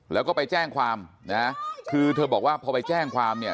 แล้วก็ไปแจ้งความนะคือเธอบอกว่าพอไปแจ้งความเนี่ย